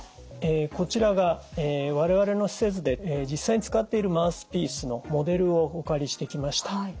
こちらが我々の施設で実際に使っているマウスピースのモデルをお借りしてきました。